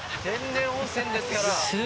天然温泉ですから。